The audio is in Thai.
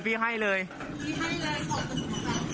พี่ให้เลยขอบคุณครับ